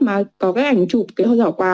mà có cái ảnh chụp cái giỏ quà